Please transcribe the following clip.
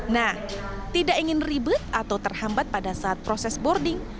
nah tidak ingin ribet atau terhambat pada saat proses boarding